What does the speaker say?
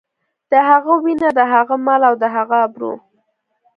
د هغه وينه، د هغه مال او د هغه ابرو.